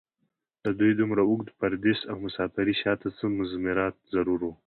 د دوي دومره اوږد پرديس او مسافرۍ شا ته څۀ مضمرات ضرور وو